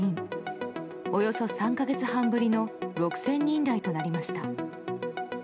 およそ３か月半ぶりの６０００人台となりました。